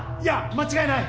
間違いない。